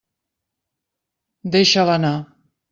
Deixa-la anar.